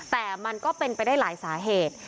แต่มันก็เป็นไปได้หลายสาเหตุ